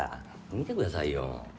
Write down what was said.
見てくださいよ。